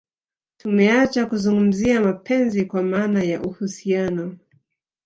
Tumeacha kuzungumzia mapenzi kwa maana ya uhusiano